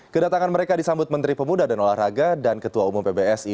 kedatangan mereka disambut menteri pemuda dan olahraga dan ketua umum pbsi